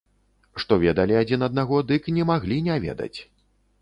Што ведалі адзін аднаго, дык не маглі не ведаць.